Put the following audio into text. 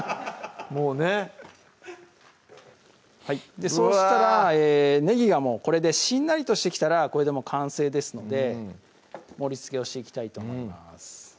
もうねそうしたらねぎがもうこれでしんなりとしてきたらこれでもう完成ですので盛りつけをしていきたいと思います